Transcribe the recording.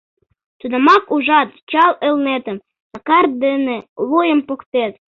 Тунамак ужат чал Элнетым, Сакар дене луйым поктет.